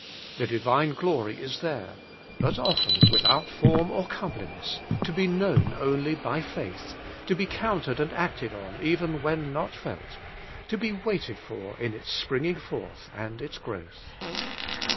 The Divine glory is there, but often without form or comeliness, to be known only by faith, to be counted and acted on even when not felt, to be waited for in its springing forth and its growth.